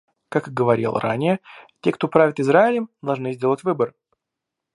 Как я говорил ранее, те, кто правит Израилем, должны сделать выбор.